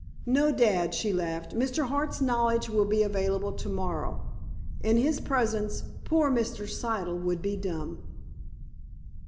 "No, dad," she laughed. "Mr. Hart's knowledge will be available to morrow. In his presence, poor Mr. Siddle would be dumb."